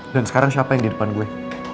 dan sekarang siapa yang di depan gue